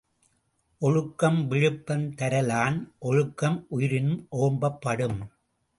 ஒழுக்கம் விழுப்பம் தரலான் ஒழுக்கம் உயிரினும் ஓம்பப் படும்.